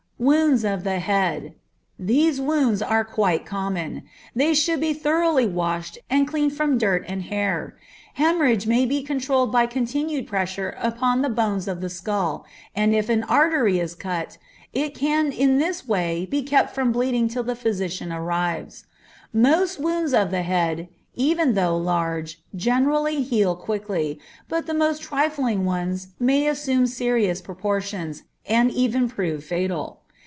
Wounds of the Head. These wounds are quite common. They should be thoroughly washed and cleaned from dirt and hair. Hemorrhage may be controlled by continued pressure upon the bones of the skull, and if an artery is cut, it can in this way be kept from bleeding till the physician arrives. Most wounds of the head, even though large, generally heal quickly, but the most trifling ones may assume serious proportions, and even prove fatal.